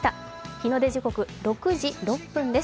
日の出時刻６時６分です。